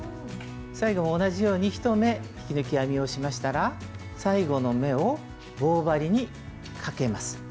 最後も同じように１目引き抜き編みをしましたら最後の目を棒針にかけます。